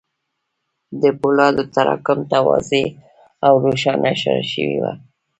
د پولادو تراکم ته واضح او روښانه اشاره شوې وه